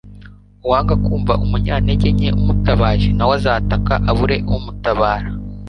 uwanga kumva umunyantege nke amutabaje, na we azataka abure umutabara